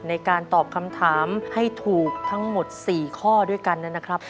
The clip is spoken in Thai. ในการตอบคำถามให้ถูกทั้งหมด๔ข้อด้วยกันนะครับ